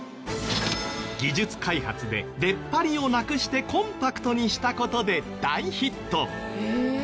技術開発で出っ張りをなくしてコンパクトにした事で大ヒット。